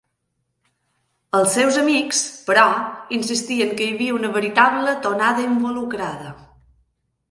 Els seus amics, però, insistien que hi havia una veritable tonada involucrada.